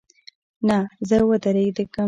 نه، زه ودریږم